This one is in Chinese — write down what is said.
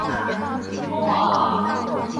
单侯村关帝庙石旗杆的历史年代为清代。